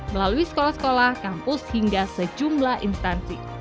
melalui sekolah sekolah kampus hingga sejumlah instansi